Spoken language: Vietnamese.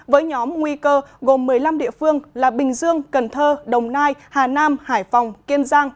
với nhóm nguy cơ gồm một mươi năm địa phương là bình dương cần thơ đồng nai hà nam hải phòng kiên giang